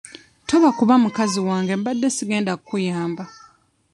Toba kuba mukazi wange mbadde sigenda kkuyamba.